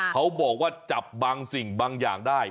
เขาบอกว่าจับบางสิ่งบางอย่างได้